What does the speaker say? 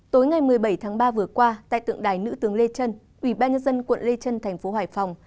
tối ngày một mươi bảy tháng ba vừa qua tại tượng đài nữ tướng lê trân ủy ban nhân dân quận lê trân thành phố hải phòng